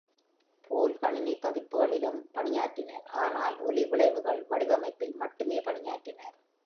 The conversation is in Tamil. Paul கணினி பதிப்புகளிலும் பணியாற்றினார், ஆனால் ஒலி விளைவுகள் வடிவமைப்பில் மட்டுமே பணியாற்றினார்.